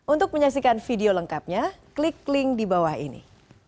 untuk menyaksikan video lengkapnya klik link di bawah ini